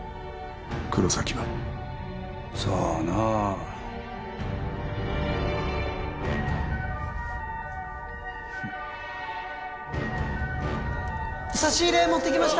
黒崎はさあな差し入れ持ってきました